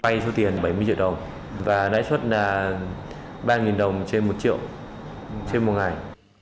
tôi có cho ba triệu vay số tiền bảy mươi triệu đồng và lãi suất là ba đồng trên một triệu trên một ngày